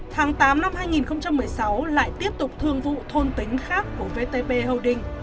tháng tám năm hai nghìn một mươi sáu lại tiếp tục thương vụ thôn tính khác của vtp holding